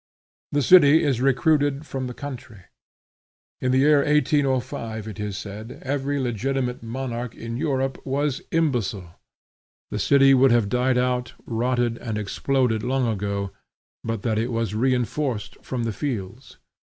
The city is recruited from the country. In the year 1805, it is said, every legitimate monarch in Europe was imbecile. The city would have died out, rotted, and exploded, long ago, but that it was reinforced from the fields.